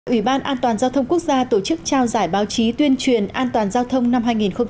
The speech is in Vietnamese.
ủy ban an toàn giao thông quốc gia tổ chức trao giải báo chí tuyên truyền an toàn giao thông năm hai nghìn một mươi chín